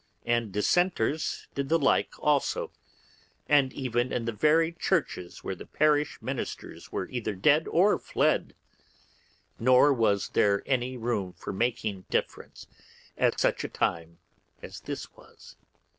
And Dissenters did the like also, and even in the very churches where the parish ministers were either dead or fled; nor was there any room for making difference at such a time as this was.